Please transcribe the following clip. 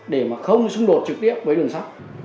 để mà không xung đột trực tiếp với đường sắt